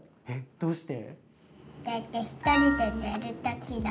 どうして？